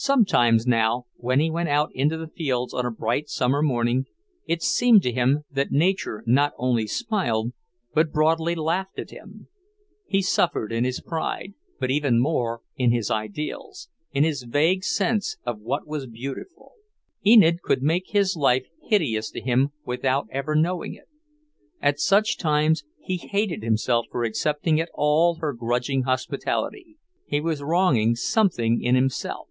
Sometimes now, when he went out into the fields on a bright summer morning, it seemed to him that Nature not only smiled, but broadly laughed at him. He suffered in his pride, but even more in his ideals, in his vague sense of what was beautiful. Enid could make his life hideous to him without ever knowing it. At such times he hated himself for accepting at all her grudging hospitality. He was wronging something in himself.